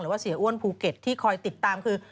ว่าเสียอ้วนภูเก็ตที่คอยติดตามคือ